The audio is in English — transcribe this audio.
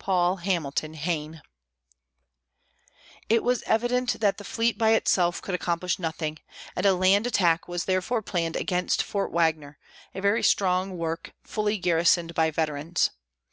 PAUL HAMILTON HAYNE. It was evident that the fleet by itself could accomplish nothing, and a land attack was therefore planned against Fort Wagner, a very strong work, fully garrisoned by veterans.